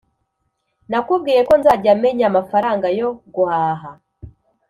nakubwiye ko nzajya menya amafaranga yo guhaha